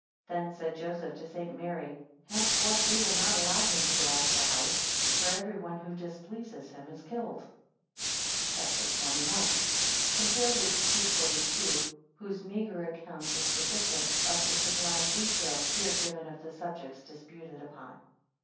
16 Then said Joseph to St. Mary, Henceforth we will not allow him to go out of the house; for every one who displeases him is killed. CHAPTER XXI. [Compare Luke ii. 42, whose meagre account is deficient of the sublime details here given of the subjects disputed upon.